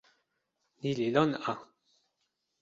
ni li lon a.